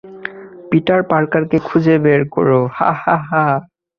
Peter পার্কারকে খুঁজে বের করো।